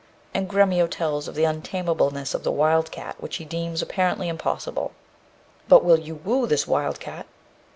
And Gremio tells of the untamableness of the wild cat, which he deems apparently impossible: But will you woo this wild cat?